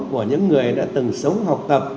của những người đã từng sống học tập